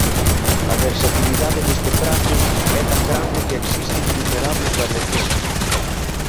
A versatilidade deste prato é tan grande que existen innumerables variacións.